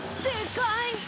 でかい。